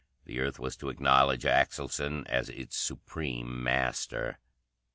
The Earth was to acknowledge Axelson as its supreme master.